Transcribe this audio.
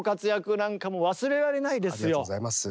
ありがとうございます。